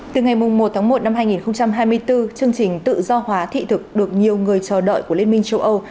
từ ngày một tháng một năm hai nghìn hai mươi bốn chương trình tự do hóa thị thực được nhiều người chờ đợi của liên minh châu âu